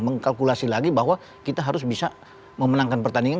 mengkalkulasi lagi bahwa kita harus bisa memenangkan pertandingan